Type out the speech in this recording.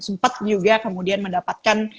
sempat juga kemudian mendapatkan